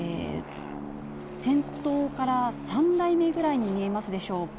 先頭から３台目ぐらいに見えますでしょうか。